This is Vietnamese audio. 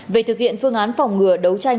về thực hiện phương án phòng ngừa đấu tranh